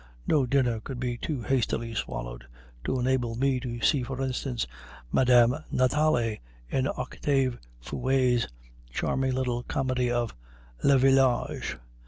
No dinner could be too hastily swallowed to enable me to see, for instance, Madame Nathalie in Octave Feuillet's charming little comedy of "Le Village."